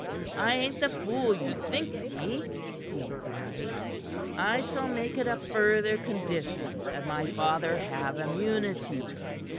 I a'n't the fool you think me," he cried. "I shall make it a further condition that my father have immunity.